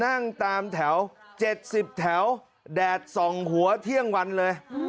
นั่งตามแถว๗๐แถวแดดส่องหัวเที่ยงวันเลย